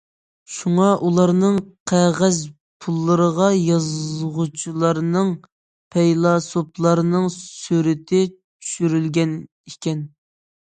شۇڭا ئۇلارنىڭ قەغەز پۇللىرىغا يازغۇچىلارنىڭ، پەيلاسوپلارنىڭ سۈرىتى چۈشۈرۈلگەن ئىكەن.